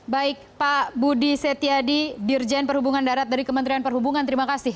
baik pak budi setiadi dirjen perhubungan darat dari kementerian perhubungan terima kasih